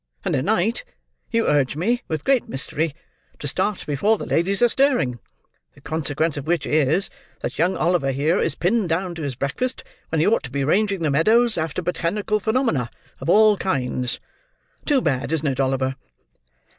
And at night, you urge me, with great mystery, to start before the ladies are stirring; the consequence of which is, that young Oliver here is pinned down to his breakfast when he ought to be ranging the meadows after botanical phenomena of all kinds. Too bad, isn't it, Oliver?"